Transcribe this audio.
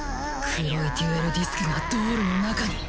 黒いデュエルディスクがドールの中に。